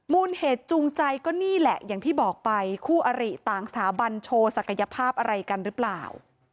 มูลเหตุจูงใจก็นี่แหละอย่างที่บอกไปคู่อริต่างสถาบันโชว์ศักยภาพอะไรกันหรือเปล่า